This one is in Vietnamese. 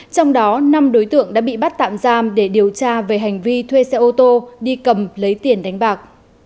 trong đó năm đối tượng đã bị bắt tạm giam để điều tra về hành vi thuê xe ô tô đi cầm lấy tiền đánh bạc